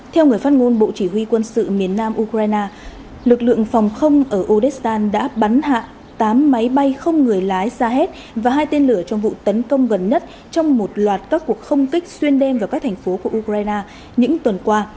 theo người phát ngôn bộ chỉ huy quân sự miền nam ukraine lực lượng phòng không ở audistan đã bắn hạ tám máy bay không người lái sahet và hai tên lửa trong vụ tấn công gần nhất trong một loạt các cuộc không kích xuyên đêm vào các thành phố của ukraine những tuần qua